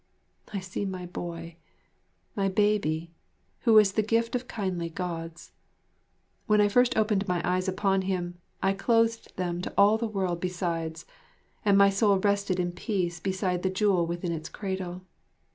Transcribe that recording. I see my boy, my baby, who was the gift of kindly Gods. When I first opened my eyes upon him, I closed them to all the world besides, and my soul rested in peace beside the jewel within its cradle.